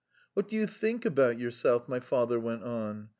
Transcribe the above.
" What do you think of yourself? " my father went on.